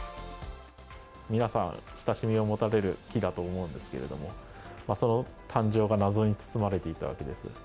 皆さん、親しみを持たれる木だと思うんですけれども、その誕生が謎に包まれていたわけです。